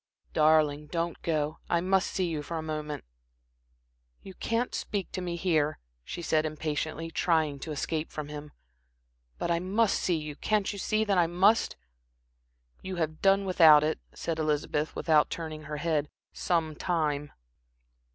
"Darling, don't go. I must see you for a moment." "You can't speak to me here," she said, impatiently, trying to escape from him. "But I must see you. Can't you see that I must?" "You have done without it," said Elizabeth, without turning her head, "some time."